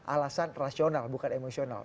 alasan rasional bukan emosional